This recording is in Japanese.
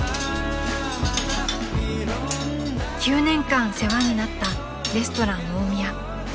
［９年間世話になったレストラン大宮］